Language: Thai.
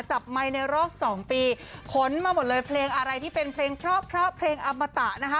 ไมค์ในรอบสองปีขนมาหมดเลยเพลงอะไรที่เป็นเพลงเพราะเพราะเพลงอมตะนะคะ